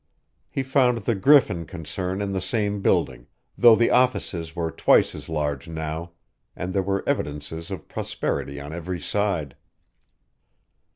He found the Griffin concern in the same building, though the offices were twice as large now, and there were evidences of prosperity on every side.